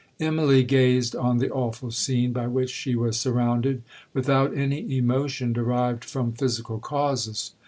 'Immalee gazed on the awful scene by which she was surrounded, without any emotion derived from physical causes.